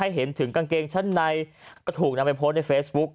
เห็นถึงกางเกงชั้นในก็ถูกนำไปโพสต์ในเฟซบุ๊ก